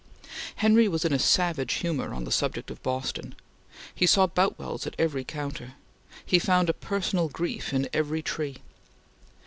Henry was in a savage humor on the subject of Boston. He saw Boutwells at every counter. He found a personal grief in every tree.